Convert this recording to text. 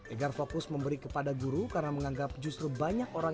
egar fokus memberi kepada guru karena menganggap justru banyak orang